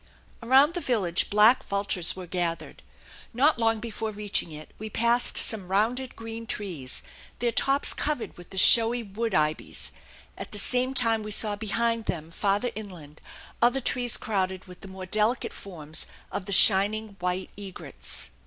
Around the village black vultures were gathered. Not long before reaching it we passed some rounded green trees, their tops covered with the showy wood ibis; at the same time we saw behind them, farther inland, other trees crowded with the more delicate forms of the shining white egrets.